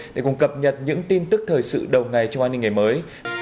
để cùng cập nhật những tin tức thời sự đầu ngày trong an ninh ngày mới